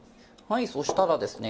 そしたらですね